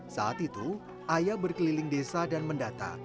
saat itu ayah berkeliling desa dan mendata